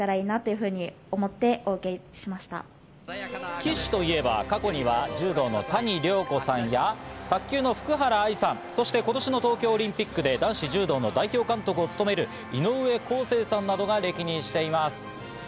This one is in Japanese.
旗手といえば過去には柔道の谷亮子さんや、卓球の福原愛さん、そして今年の東京オリンピックで男子柔道の代表監督を務める井上康生さんなどが歴任しています。